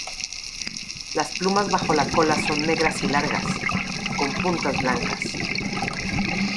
Las plumas bajo la cola son negras y largas, con puntas blancas.